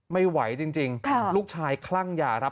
ไม่ไหวจริงลูกชายคลั่งยาครับ